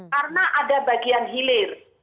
karena ada bagian hilir